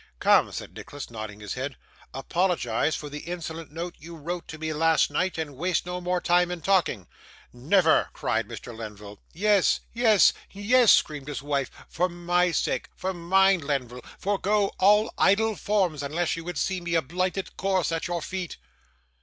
'Come,' said Nicholas, nodding his head, 'apologise for the insolent note you wrote to me last night, and waste no more time in talking.' 'Never!' cried Mr. Lenville. 'Yes yes yes!' screamed his wife. 'For my sake for mine, Lenville forego all idle forms, unless you would see me a blighted corse at your feet.